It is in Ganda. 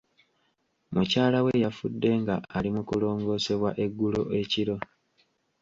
Mukyala we yafudde nga ali mu kulongoosebwa eggulo ekiro.